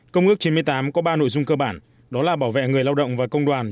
công ước chín mươi tám có ba nội dung cơ bản đó là bảo vệ người lao động và công đoàn